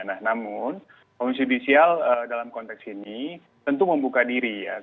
nah namun komisi judisial dalam konteks ini tentu membuka diri ya